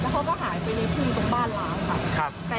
สิ